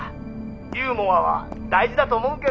ユーモアは大事だと思うけど。